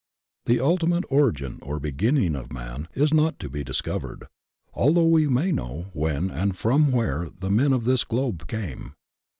The ultimate origin or beginning of man is not to be discovered, although we may know when and from where the men of this globe came.